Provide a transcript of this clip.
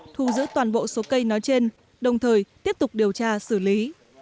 thu giữ toàn bộ số cây nói trên đồng thời tiếp tục điều tra xử lý